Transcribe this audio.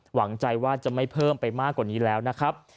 หวังใจว่าจะไม่เพิ่มไปมากกว่านี้แล้วนะครับ